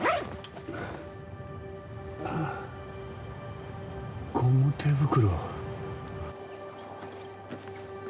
あっゴム手袋。